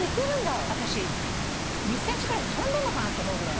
私２ｃｍぐらい飛んでんのかなと思うぐらい。